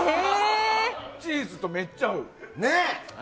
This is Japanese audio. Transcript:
チーズとめっちゃ合う。